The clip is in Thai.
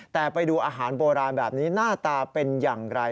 แต่ไปดูอาหารโบราณแบบนี้หน้าตาเป็นอย่างไร